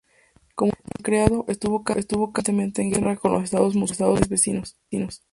Como Tancredo, estuvo casi constantemente en guerra con los estados musulmanes vecinos.